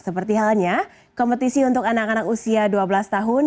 seperti halnya kompetisi untuk anak anak usia dua belas tahun